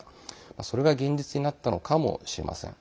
それが現実になったのかもしれません。